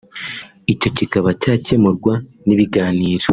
icyo kikaba cyakemurwa n’ibiganiro